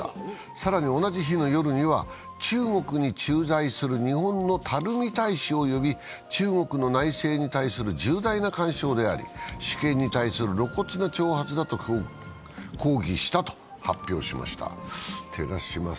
更に同じ日の夜には中国に駐在する日本の垂大使を呼び中国の内政に対する重大な干渉であり主権に対する露骨な挑発だと抗議したと発表しました。